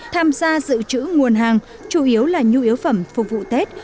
tham gia dự trữ nguồn hàng chủ yếu là nhu yếu phẩm phục vụ tết